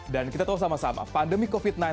dan kita tahu sama sama pandemi covid sembilan belas